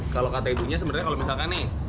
kalau kata ibunya sebenarnya kalau misalkan nih